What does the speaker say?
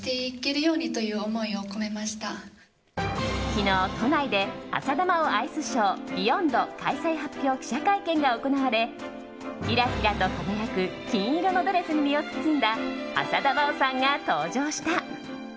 昨日、都内で浅田真央アイスショー「ＢＥＹＯＮＤ」開催発表記者会見が行われキラキラと輝く金色のドレスに身を包んだ浅田真央さんが登場した。